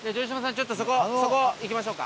ちょっとそこそこ行きましょうか。